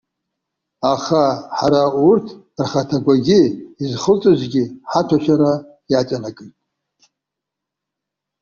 Аха, ҳара урҭ рхаҭақәагьы изхылҵызгьы ҳаҭәашьара иаҵанакит.